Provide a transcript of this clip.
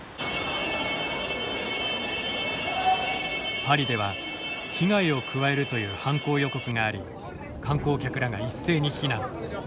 パリでは「危害を加える」という犯行予告があり観光客らが一斉に避難。